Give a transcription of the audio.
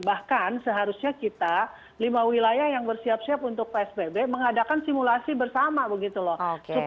bahkan seharusnya kita lima wilayah yang bersiap siap untuk psbb mengadakan simulasi bersama begitu loh